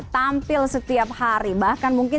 tampil setiap hari bahkan mungkin